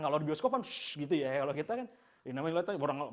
kalau di bioskop kan gitu ya